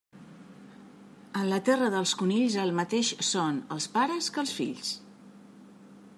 En la terra dels conills el mateix són els pares que els fills.